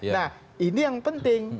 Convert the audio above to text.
nah ini yang penting